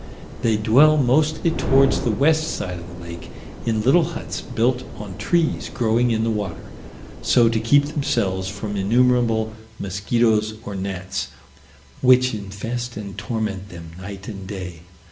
They dwell mostly towards the west side of the lake, in little huts built on trees growing in the water; so to keep themselves from innumerable mosquitoes, or gnats, which infest and torment them night and day.